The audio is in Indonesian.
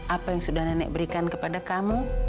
apa yang sudah nenek berikan kepada kamu